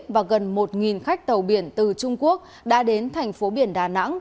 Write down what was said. và gần một khách tàu biển từ trung quốc đã đến thành phố biển đà nẵng